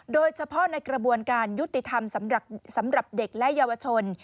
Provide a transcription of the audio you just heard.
โดยเฉพาะในกระบวนการยุติธรรมสำหรับเด็กและเยาวชน